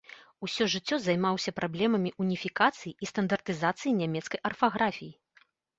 Усё жыццё займаўся праблемамі уніфікацыі і стандартызацыі нямецкай арфаграфіі.